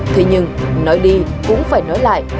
thế nhưng nói đi cũng phải nói lại